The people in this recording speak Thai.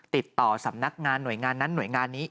ติดต่อสำนักงานหน่วยงานนั้นหน่วยงานนี้